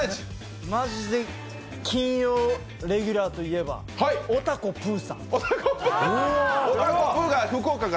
マジで金曜レギュラーといえばおたこぷーさん。